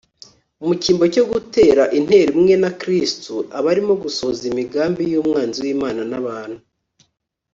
. Mu cyimbo cyo gutera intero imwe na Kristo, aba arimo gusohoza imigambi y’umwanzi w’Imana n’abantu